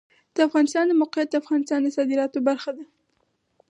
د افغانستان د موقعیت د افغانستان د صادراتو برخه ده.